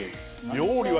料理は。